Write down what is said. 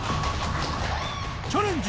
チャレンジ